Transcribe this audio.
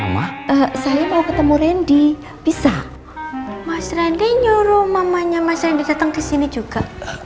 mama saya mau ketemu rendy bisa mas rendy nyuruh mamanya mas rendy datang ke sini juga